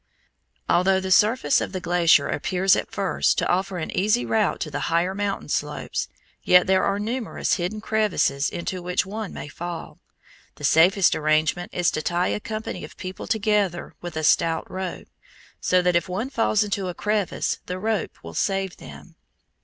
Although the surface of the glacier appears at first to offer an easy route to the higher mountain slopes, yet there are numerous hidden crevices into which one may fall. The safest arrangement is to tie a company of people together with a stout rope, so that if one falls into a crevice the rope will save him.